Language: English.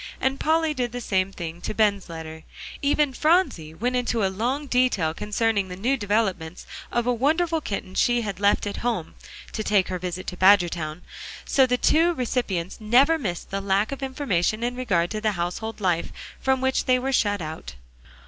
And Polly did the same thing to Ben's letter. Even Phronsie went into a long detail concerning the new developments of a wonderful kitten she had left at home, to take her visit to Badgertown, so the two recipients never missed the lack of information in regard to the household life, from which they were shut out.